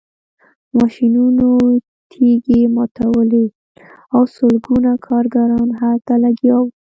ماشینونو تیږې ماتولې او سلګونه کارګران هلته لګیا وو